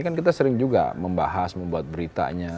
kan kita sering juga membahas membuat beritanya